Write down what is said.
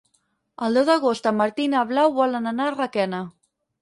El deu d'agost en Martí i na Blau volen anar a Requena.